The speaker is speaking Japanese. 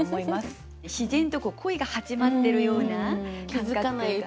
自然と恋が始まってるような感覚というか。